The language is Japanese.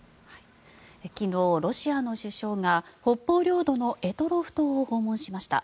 昨日、ロシアの首相が北方領土の択捉島を訪問しました。